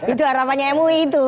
itu harapannya mui itu